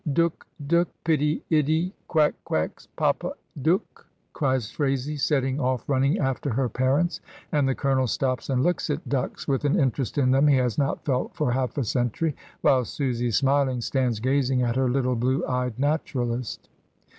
"Dook, dook, pitty 'itty quack quacks, papa, dook," cries Phraisie, setting off running after her parents; and the Colonel stops and looks at ducks with an interest in them he has not felt for half a century, while Susy, smiling, stands gazing at her little blue eyed naturalist.